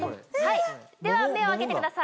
では目を開けてください。